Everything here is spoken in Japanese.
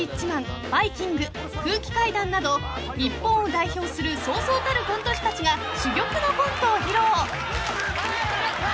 空気階段など日本を代表するそうそうたるコント師たちが珠玉のコントを披露］